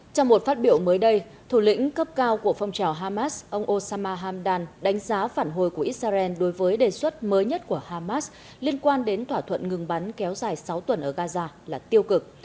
trong một phát biểu mới đây thủ lĩnh cấp cao của phong trào hamas ông osama hamdan đánh giá phản hồi của israel đối với đề xuất mới nhất của hamas liên quan đến thỏa thuận ngừng bắn kéo dài sáu tuần ở gaza là tiêu cực